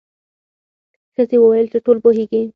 ښځې وویل چې ټول پوهیږي.